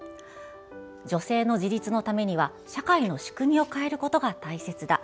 女性の自立のためには、社会の仕組みを変えることが大切だ。